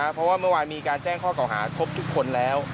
เพราะว่าเมื่อวานมีการแจ้งข้อเก่าหาครบทุกคนแล้ว